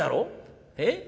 「えっ？